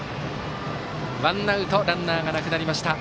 ワンアウトランナーがなくなりました。